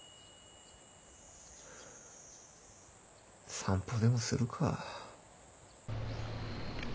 散歩でもするか。